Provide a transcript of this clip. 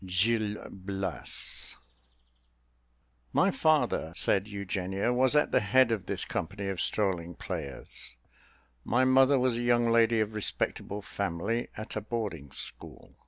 Gil Blas. "My father," said Eugenia, "was at the head of this company of strolling players; my mother was a young lady of respectable family, at a boarding school.